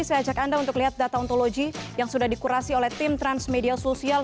saya ajak anda untuk lihat data ontologi yang sudah dikurasi oleh tim transmedia sosial